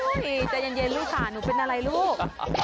โอ้โฮใจเย็นลูกค่ะหนูเป็นอะไรลูก